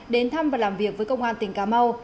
đến thăm và làm việc với công an tỉnh cà mau